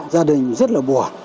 gia đình rất là buồn